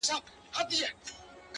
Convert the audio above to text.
راته ښکاري چي لرمه لا خبري د ویلو،